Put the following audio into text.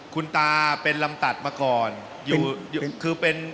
คุณตาเป็นลำตัดมาก่อน